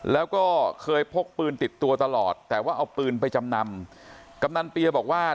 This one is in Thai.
แล้วก็เคยพกปืนติดตัวตลอดแต่ว่าเอาปืนไปจำนำกำนันเปียบอกว่า